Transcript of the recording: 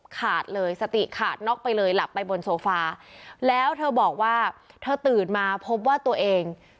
ขาดเลยสติขาดน็อกไปเลยหลับไปบนโซฟาแล้วเธอบอกว่าเธอตื่นมาพบว่าตัวเอง